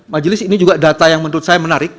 majelis ini juga data yang menurut saya menarik